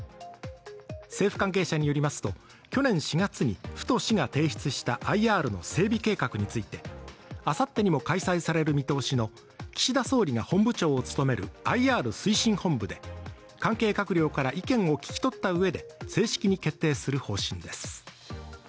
政府関係者によりますと去年４月に府と市が提出したＩＲの整備計画についてあさってにも開催される見通しの岸田総理が本部長を務めるＩＲ推進本部で関係閣僚から意見を聞き取ったうえで、正式に決定する方針です。